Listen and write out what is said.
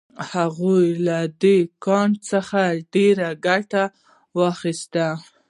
هغوی له دې کاڼو څخه ډیره ګټه واخیسته.